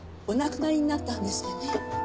お亡くなりになったんですってね。